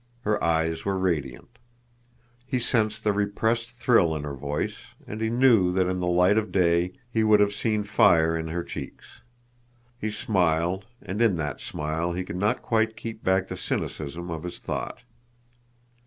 Her eyes were radiant. He sensed the repressed thrill in her voice, and he knew that in the light of day he would have seen fire in her cheeks. He smiled, and in that smile he could not quite keep back the cynicism of his thought.